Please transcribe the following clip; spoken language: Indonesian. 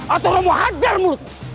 atau romo hadar mulutmu